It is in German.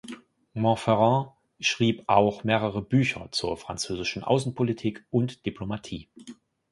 Montferrand schrieb auch mehrere Bücher zur französischen Außenpolitik und Diplomatie.